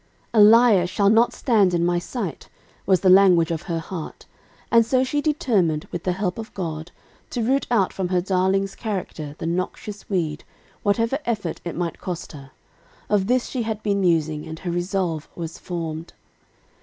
"A liar shall not stand in my sight," was the language of her heart, and so she determined, with the help of God, to root out from her darling's character the noxious weed, whatever effort it might cost her. Of this she had been musing, and her resolve was formed.